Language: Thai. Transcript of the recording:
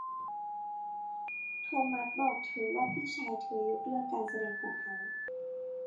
โทมัสบอกเธอว่าพี่ชายเธอยกเลิกการแสดงของเขา